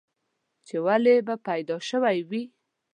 چې ولې به پيدا شوی وې؟